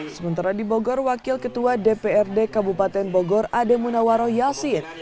sementara di bogor wakil ketua dprd kabupaten bogor ademunawaro yassin